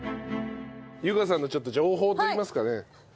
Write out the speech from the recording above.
由佳さんのちょっと情報といいますかね。